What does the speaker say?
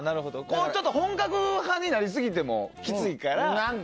ちょっと本格派になりすぎてもきついから？